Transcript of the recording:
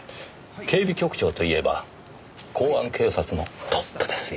警備局長といえば公安警察のトップですよ。